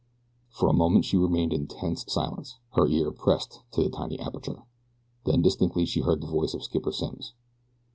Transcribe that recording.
For a moment she remained in tense silence, her ear pressed to the tiny aperture. Then, distinctly, she heard the voice of Skipper Simms.